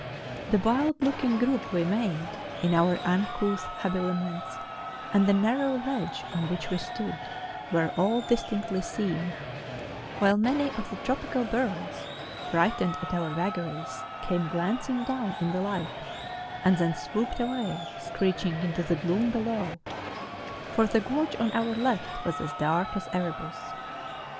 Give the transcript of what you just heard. The wild looking group w'e made, in our uncouth habili¬ ments, and the narrow ledge on which we stood, were all distinctly seen ; while many of the tropical birds, frightened at our vagaries, came glancing down in 258 MOUNTAIN ADVENTURES. the light, and then swooped away, screeching into the gloom below, for the gorge on our left was as dark as Erebus.